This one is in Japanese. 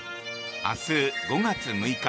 明日５月６日